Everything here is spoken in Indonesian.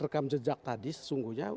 rekam jejak tadi sesungguhnya